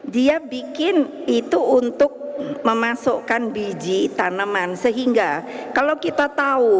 dia bikin itu untuk memasukkan biji tanaman sehingga kalau kita tahu